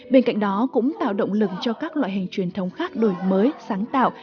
bên cạnh đó cũng tạo động lực cho các loại hình truyền thống khác đổi mới sáng tạo